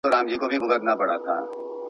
په العروة الوثقی پوري اعتصام دی.